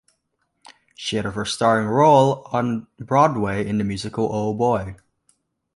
She had her first starring role on Broadway in the musical Oh, Boy!